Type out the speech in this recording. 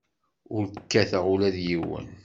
Ur kkateɣ ula d yiwen.